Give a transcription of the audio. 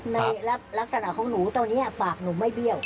ในลักษณะของหนูตอนนี้ปากหนูไม่เบี้ยว